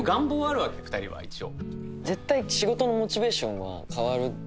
一応。